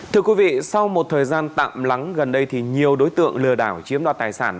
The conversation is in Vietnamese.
thưa quý vị sau một thời gian tạm lắng gần đây thì nhiều đối tượng lừa đảo chiếm đoạt tài sản